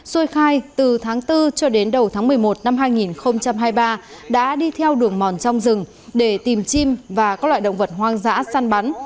xuôi khai từ tháng bốn cho đến đầu tháng một mươi một năm hai nghìn hai mươi ba đã đi theo đường mòn trong rừng để tìm chim và các loại động vật hoang dã săn bắn